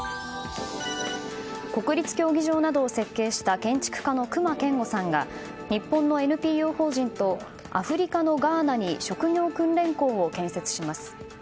国立競技場などを設計した建築家の隈研吾さんが日本のＮＰＯ法人とアフリカのガーナに職業訓練校を建設します。